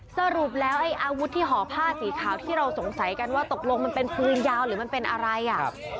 สรุปแล้วไอ้อาวุธที่ห่อผ้าสีขาวที่เราสงสัยกันว่าตกลงมันเป็นปืนยาวหรือมันเป็นอะไรอ่ะ